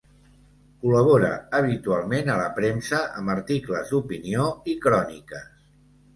Col·labora habitualment a la premsa amb articles d'opinió i cròniques.